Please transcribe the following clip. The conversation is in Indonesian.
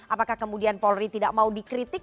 apakah kemudian polri tidak mau dikritik